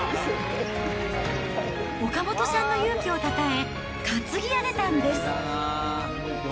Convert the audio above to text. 岡本さんの勇気をたたえ、担ぎ上げたんです。